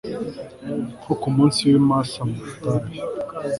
nko ku munsi w'i masa, mu butayu